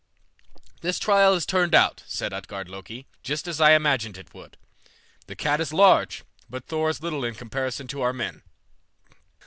"This trial has turned out," said Utgard Loki, "just as I imagined it would. The cat is large, but Thor is little in comparison to our men."